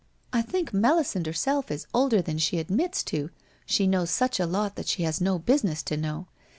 ' I think Melisande herself is older than she admits to, she knows such a lot that she has no business to know.